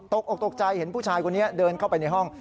ตกออกตกใจเห็นผู้ชายคนนี้เดินเข้าไปในห้อง